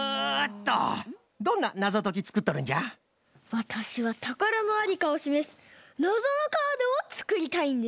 わたしはたからのありかをしめすなぞのカードをつくりたいんです。